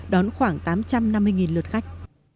đón khoảng tám trăm năm mươi lượt khách